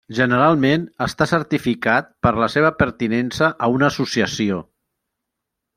Generalment està certificat per la seva pertinença a una associació.